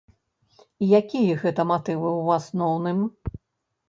І якія гэта матывы, у асноўным?